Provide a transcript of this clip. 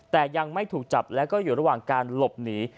แต่ยังไม่ถูกจับแล้วก็อยู่ระหว่างการหลบหนี